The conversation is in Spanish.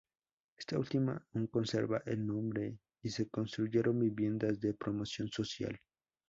Esta última aún conserva el nombre y se construyeron viviendas de promoción social.